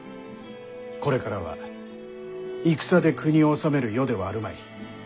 これからは戦で国を治める世ではあるまい。